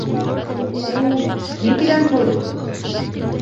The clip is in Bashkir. У ни тигән һүҙ?!